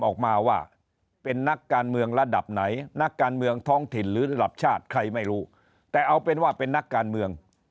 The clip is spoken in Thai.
ออกมาว่าเป็นนักการเมืองระดับไหนนักการเมืองท้องถิ่นหรือ